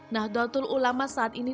nahdlatul ulama saat ini